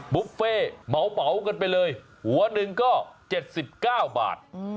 บุฟเฟ่เหมากันไปเลยหัวหนึ่งก็๗๙บาท